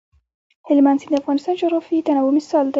هلمند سیند د افغانستان د جغرافیوي تنوع مثال دی.